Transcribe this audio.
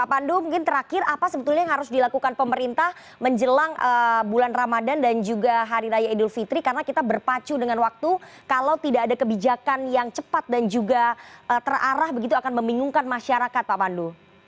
pak pandu mungkin terakhir apa sebetulnya yang harus dilakukan pemerintah menjelang bulan ramadan dan juga hari raya idul fitri karena kita berpacu dengan waktu kalau tidak ada kebijakan yang cepat dan juga terarah begitu akan membingungkan masyarakat pak pandu